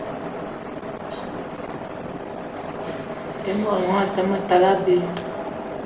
I mot gnion a te ma tal abei